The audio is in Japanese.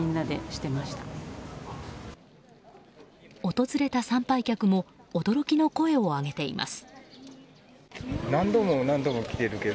訪れた参拝客も驚きの声を上げています。